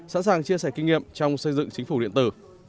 sẵn sàng chia sẻ kinh nghiệm trong xây dựng chính phủ điện tử